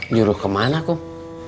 nyuruh kemana kung